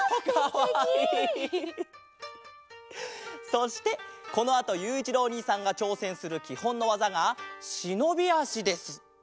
そしてこのあとゆういちろうおにいさんがちょうせんするきほんのわざがしのびあしです。